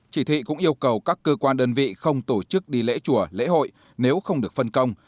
chỉ thị cũng yêu cầu các cơ quan đơn vị không tổ chức đi lễ chùa lễ hội nếu không được phân công